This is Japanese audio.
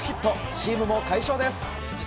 チームも快勝です。